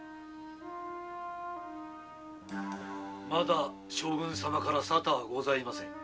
まだ将軍様からは沙汰はございませんよ。